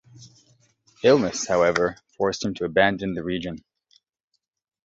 Illness, however, forced him to abandon the region.